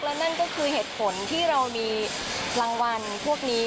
และนั่นก็คือเหตุผลที่เรามีรางวัลพวกนี้